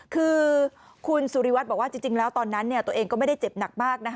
คือคุณสุริวัตรบอกว่าจริงแล้วตอนนั้นตัวเองก็ไม่ได้เจ็บหนักมาก